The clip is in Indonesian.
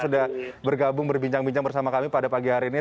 sudah bergabung berbincang bincang bersama kami pada pagi hari ini